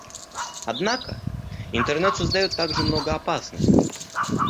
Однако Интернет создает также много опасностей.